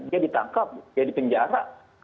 dia ditangkap dia dipenjara